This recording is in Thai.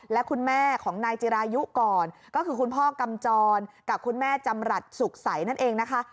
และคุณแม่ของนายจิรายุก่อนก็คือคุณพ่อกำจรกับคุณแม่จำรัฐสุขใสนั่นเองนะคะ